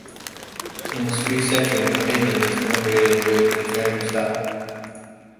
In street sections, the pavement is integrated with the tram stop.